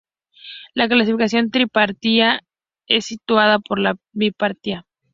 La clasificación tripartita es sustituida por la bipartita.